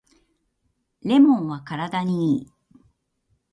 レモンは体にいい